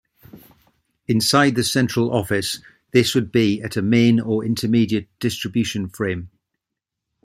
Inside the central office, this would be at a main or intermediate distribution frame.